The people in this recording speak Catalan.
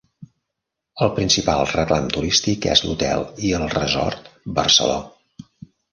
El principal reclam turístic es l'hotel i el resort Barceló.